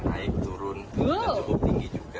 aik turun dan cukup tinggi juga